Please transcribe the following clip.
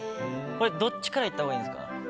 これ、どっちからいったほうがいいですか。